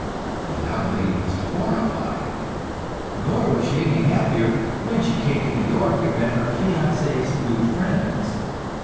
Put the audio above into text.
The young lady was horrified; nor was she any happier when she came to New York and met her fiancé's new friends.